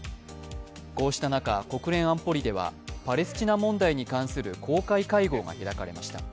こうした中、国連安保理ではパレスチナ問題に関する公開会合が開かれました。